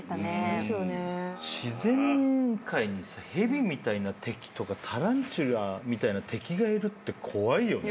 自然界に蛇みたいな敵とかタランチュラみたいな敵がいるって怖いよね。